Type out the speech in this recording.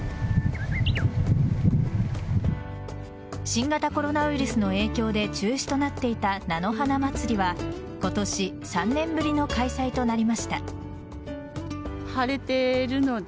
新型コロナウイルスの影響で中止となっていた菜の花まつりは今年３年ぶりの開催となりました。